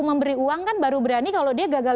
memberi uang kan baru berani kalau dia gagal